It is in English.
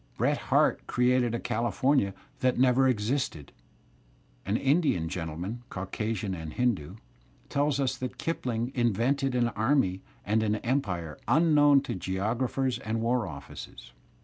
Bret Harte created a California that never existed, and Indian gentlemen, Caucasian and Hindoo, tell us that Kipling invented an army and an empire unknown to geographers and war offices.